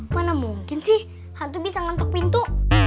mana mungkin sih hantu bisa ngantuk pintu